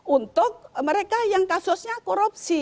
untuk mereka yang kasusnya korupsi